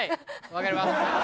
わかります。